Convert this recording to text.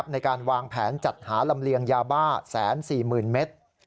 ในการวางแผนจัดหาลำเลียงยาบ้า๑๔๐๐๐เมตร